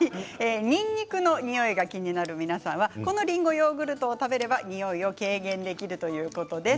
にんにくのにおいが気になる皆さんはこのりんごヨーグルトを食べればにおいを軽減できるということです。